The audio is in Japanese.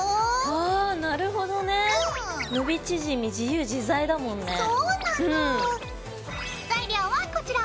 あなるほどね。伸び縮み自由自在だもんね。そうなの。材料はこちら。